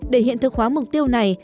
để hiện thực hóa mục tiêu này